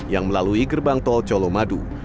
yang melalui gerbang tol colomadu